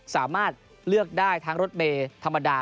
สามารถเลือกได้ทั้งรถเมย์ธรรมดา